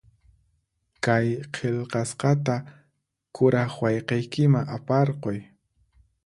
Kay qillqasqata kuraq wayqiykiman aparquy.